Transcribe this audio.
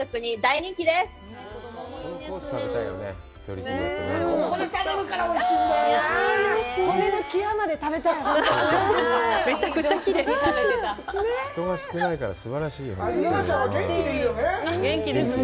人が少ないから、すばらしいね。